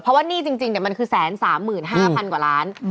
แต่มันคือแสนสามหมื่นห้าพันกว่าล้าน